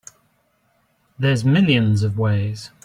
There's millions of ways.